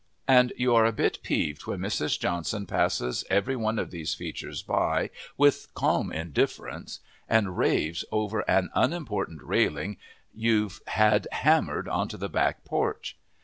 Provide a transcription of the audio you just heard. And you are a bit peeved when Mrs. Johnson passes every one of these features by with calm indifference and raves over an unimportant railing you've had hammered onto the back porch.